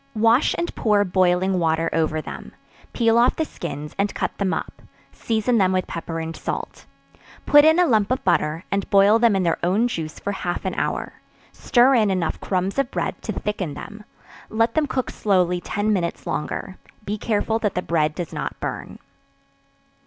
Wash and pour boiling water over them; peel off the skins, and cut them up; season them with pepper and salt; put in a lump of butter, and boil them in their own juice for half an hour; stir in enough crumbs of bread to thicken them; let them cook slowly ten minutes longer; be careful that the bread does not burn.